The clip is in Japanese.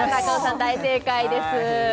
大正解です